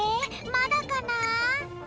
まだかな？